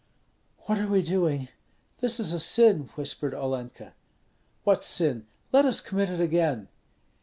"What are we doing? This is a sin!" whispered Olenka. "What sin? Let us commit it again."